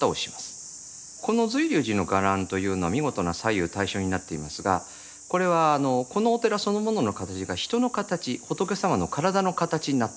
この瑞龍寺の伽藍というのは見事な左右対称になっていますがこれはこのお寺そのものの形が人の形仏様の体の形になってるってことです。